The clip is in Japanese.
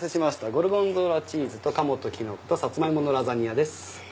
ゴルゴンゾーラチーズと鴨ときの子とさつま芋のラザニアです。